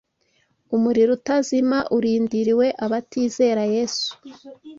Umuriro utazima urindiriwe abatizera Yesu